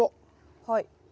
はい。